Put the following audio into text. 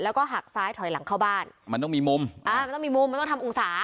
แล้วก็หักซ้ายถอยหลังเข้าบ้านมันต้องมีมุมอ่ามันต้องมีมุมมันต้องทำองศา